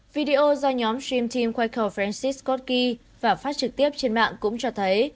video do nhóm stream team quay cầu francis scott key và phát trực tiếp trên mạng cũng cho thấy